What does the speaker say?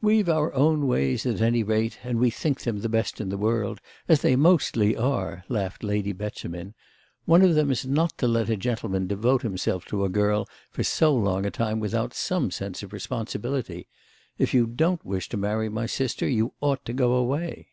"We've our own ways at any rate, and we think them the best in the world—as they mostly are!" laughed Lady Beauchemin. "One of them's not to let a gentleman devote himself to a girl for so long a time without some sense of responsibility. If you don't wish to marry my sister you ought to go away."